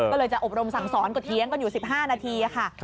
ก็เลยจะอบรมสั่งสอนก็เถียงกันอยู่๑๕นาทีค่ะ